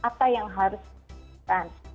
apa yang harus diperlukan